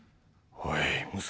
おい娘